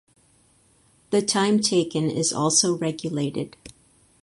The time taken is also regulated.